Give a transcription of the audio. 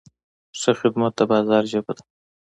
ښه خدمت د بازار ژبه ده.